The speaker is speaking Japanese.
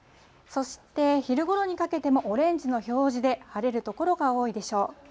そして昼ごろにかけてもオレンジの表示で、晴れる所が多いでしょう。